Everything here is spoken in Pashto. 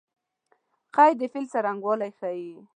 قید د فعل څرنګوالی ښيي.